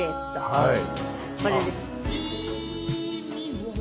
はい。